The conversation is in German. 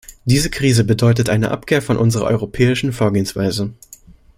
Diese Krise bedeutete eine Abkehr von unserer europäischen Vorgehensweise.